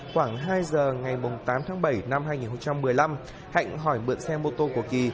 khoảng hai giờ ngày tám tháng bảy năm hai nghìn một mươi năm hạnh hỏi mượn xe mô tô của kỳ